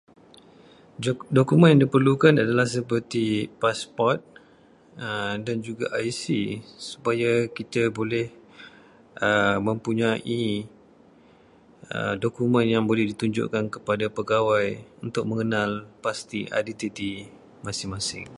Dokumen yang diperlukan adalah seperti pasport dan juga IC supaya kita boleh mempunyai dokumen yang boleh ditunjukkan kepada pegawai untuk mengenal pasti identiti masing-masing.